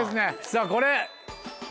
さぁこれ。